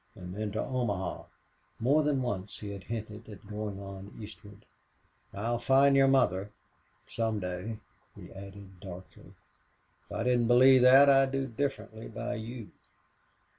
And then to Omaha." More than once he had hinted at going on eastward. "I'll find your mother some day," he added, darkly. "If I didn't believe that I'd do differently by you."